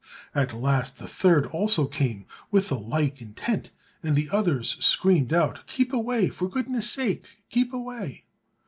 At last the third also came with the like intent, and the others screamed out, "Keep away; for goodness' sake keep away!"